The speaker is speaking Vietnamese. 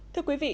thưa quý vị